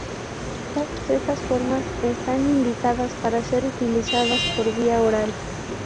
Todas estas formas están indicadas para ser utilizadas por vía oral.